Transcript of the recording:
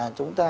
ờ chúng ta